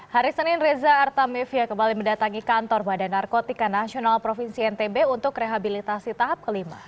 hari senin reza artamevia kembali mendatangi kantor badan narkotika nasional provinsi ntb untuk rehabilitasi tahap kelima